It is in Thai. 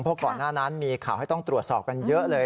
เพราะก่อนหน้านั้นมีข่าวให้ต้องตรวจสอบกันเยอะเลย